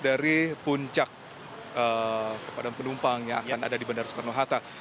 dari puncak kepada penumpang yang akan ada di bandara soekarno hatta